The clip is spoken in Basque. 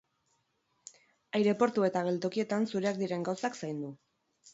Aireportu eta geltokietan zureak diren gauzak zaindu.